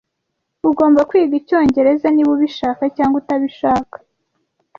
Ugomba kwiga icyongereza niba ubishaka cyangwa utabishaka.